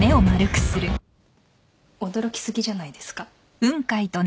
驚きすぎじゃないですか？